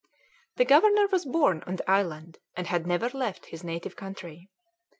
The governor was born on the island, and had never left his native country.